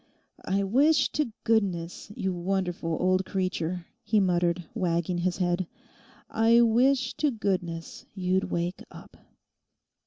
'I wish to goodness, you wonderful old creature,' he muttered, wagging his head, 'I wish to goodness you'd wake up.